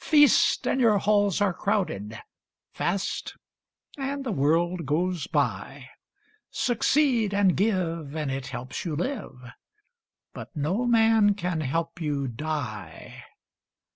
Feast, and your halls are crowded; Fast, and the world goes by. Succeed and give, and it helps you live, But no man can help you die.